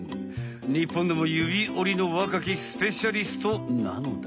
にっぽんでもゆびおりのわかきスペシャリストなのだ。